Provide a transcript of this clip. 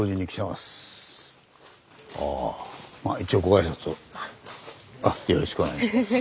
まあ一応よろしくお願いします。